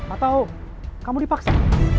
atau kamu dipaksa